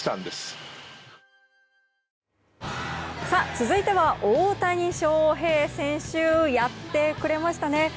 続いては、大谷翔平選手やってくれましたね。